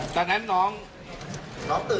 ขั้นคลุกล้างดินให้ปล่อย